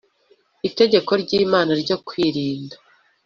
Itegeko ry Imana ryo kwirinda